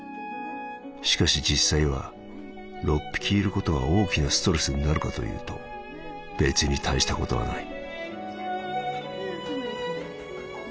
しかし実際は六匹いることが大きなストレスになるかというと別に大したことはない」。